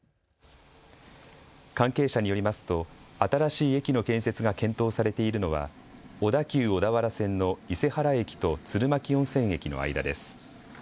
関係者によりますと新しい駅の建設が検討されているのは小田急小田原線の伊勢原駅と鶴巻温泉駅の間です。